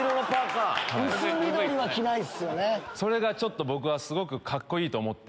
それがちょっと僕はすごくカッコいいと思って。